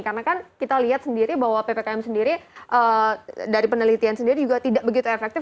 karena kan kita lihat sendiri bahwa ppkm sendiri dari penelitian sendiri juga tidak begitu efektif